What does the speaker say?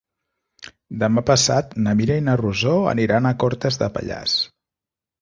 Demà passat na Mira i na Rosó aniran a Cortes de Pallars.